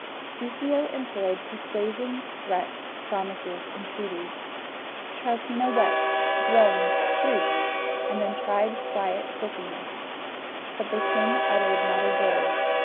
Soussio employed persuasions, threats, promises, entreaties. Troutina wept, groaned, shrieked, and then tried quiet sulkiness; but the king uttered not a word.